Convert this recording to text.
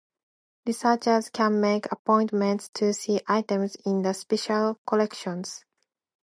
Researchers can make appointments to see items in the special collections.